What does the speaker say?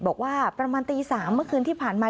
บอกว่าประมาณตี๓เมื่อคืนที่ผ่านมา